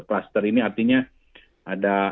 kluster ini artinya ada